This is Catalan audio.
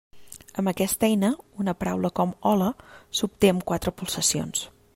Amb aquesta eina, una paraula com hola s'obté amb quatre pulsacions.